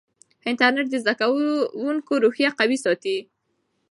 انټرنیټ د زده کوونکو روحیه قوي ساتي.